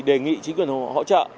đề nghị chính quyền hỗ trợ